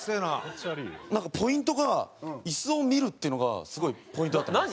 なんかポイントがイスを見るっていうのがすごいポイントだったんです。